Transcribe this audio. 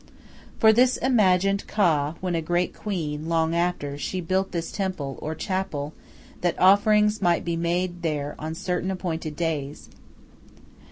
For this imagined Ka, when a great queen, long after, she built this temple, or chapel, that offerings might be made there on certain appointed days.